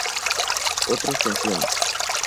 Otras canciones